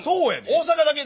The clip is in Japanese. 大阪だけ？